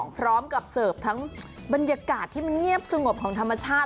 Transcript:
พร้อมกับเสิร์ฟทั้งบรรยากาศที่มันเงียบสงบของธรรมชาติ